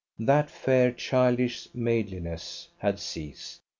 That fair childish maidenliness had ceased.